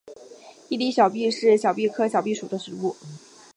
伊犁小檗是小檗科小檗属的植物。